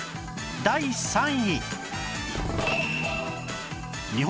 第３位